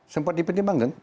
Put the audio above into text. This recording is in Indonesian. sempat dipertimbangkan pak